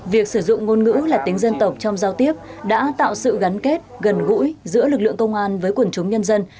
việc sử dụng ngôn ngữ là tính dân tộc trong giao tiếp đã tạo sự gắn kết gần gũi giữa lực lượng công an với quần chúng nhân dân